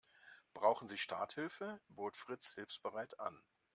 Brauchen Sie Starthilfe?, bot Fritz hilfsbereit an.